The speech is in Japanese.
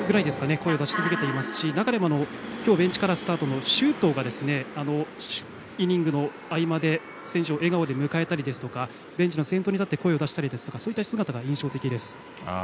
声を出し続けていますし中でも、今日ベンチからスタートの周東がイニングの合間で選手を笑顔で迎えたりですとかベンチの先頭に立って声を出したりとかそういった姿が印象的です。